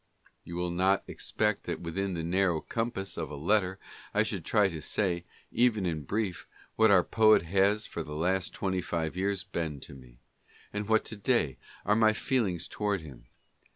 You will not expect that within the narrow compass of a letter I should try to say, even in brief, what our poet has for the last twenty five years been to me, and what to day are my feelings towards him.